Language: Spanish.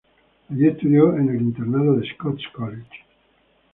Allí estudió en el internado The Scots College.